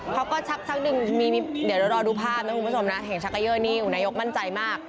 เขาก็ชักดึงเดี๋ยวรอดูภาพนะคุณผู้ผู้ชมนะแห่งชักไกเยอร์นี่ของนายกมั่นใจมาก